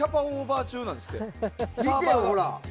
見てよ、ほら！